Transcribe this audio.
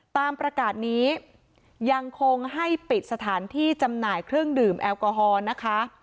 ตามประกาศนี้ยังคงให้ปิดสถานที่จำหน่ายเครื่องดื่มแอลกอฮอล์นะคะ